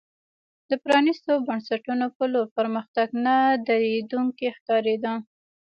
د پرانیستو بنسټونو په لور پرمختګ نه درېدونکی ښکارېده.